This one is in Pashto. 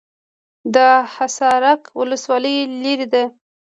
د حصارک ولسوالۍ لیرې ده